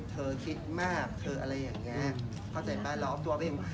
คิดมากเธออะไรอย่างเงี้ยเข้าใจป่ะล้อมตัวไปเอง